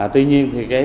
tuy nhiên thì cái